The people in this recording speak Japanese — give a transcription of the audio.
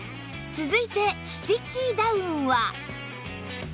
続いてスティッキーダウンは